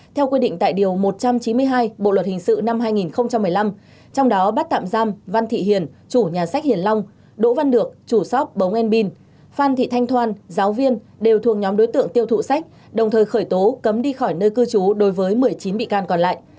theo quy định tại điều một trăm chín mươi hai bộ luật hình sự năm hai nghìn một mươi năm trong đó bắt tạm giam văn thị hiền chủ nhà sách hiền long đỗ văn được chủ shop bóng enbin phan thị thanh thoan giáo viên đều thuộc nhóm đối tượng tiêu thụ sách đồng thời khởi tố cấm đi khỏi nơi cư trú đối với một mươi chín bị can còn lại